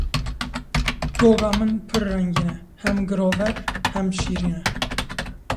Goga min pir rengîn e, hem girover û hem şîrîn e.